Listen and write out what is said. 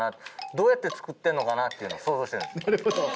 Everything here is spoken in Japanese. どうやって作ってんのかなっていうのを想像してるんです。